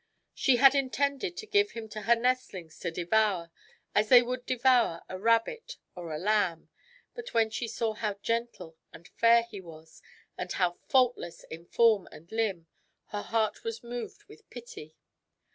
She had intended to give him to her nestlings to devour as they would devour a rabbit or a lamb. But when she saw how gentle and fair he was, and how faultless in form and limb, her heart was moved with pity.